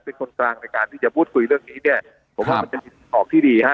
เป็นคนกลางในการที่จะพูดคุยเรื่องนี้เนี่ยผมว่ามันเป็นทางออกที่ดีฮะ